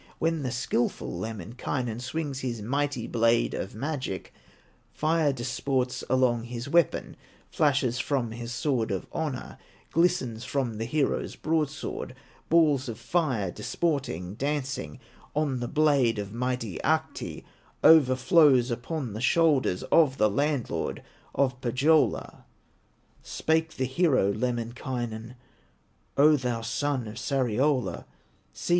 When the skillful Lemminkainen Swings his mighty blade of magic, Fire disports along his weapon, Flashes from his sword of honor, Glistens from the hero's broadsword, Balls of fire disporting, dancing, On the blade of mighty Ahti, Overflow upon the shoulders Of the landlord of Pohyola. Spake the hero, Lemminkainen: "O thou son of Sariola, See!